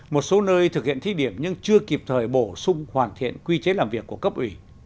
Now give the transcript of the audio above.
một số nơi thực hiện thí điểm nhưng chưa kịp thời bổ sung hoàn thiện quy chế làm việc của cấp ủy